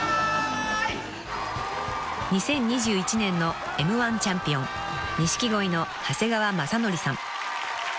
［２０２１年のＭ−１チャンピオン錦鯉の長谷川雅紀さん］